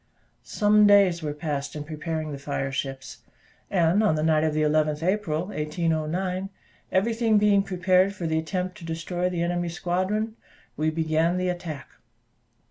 Some days were passed in preparing the fire ships; and on the night of the 11th April, 1809, everything being prepared for the attempt to destroy the enemy's squadron, we began the attack.